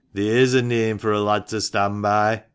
Theer's a neame for a lad to stand by!